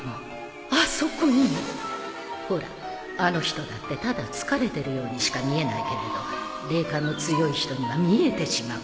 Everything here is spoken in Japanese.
ほらあの人だってただ疲れてるようにしか見えないけれど霊感の強い人には見えてしまうんです。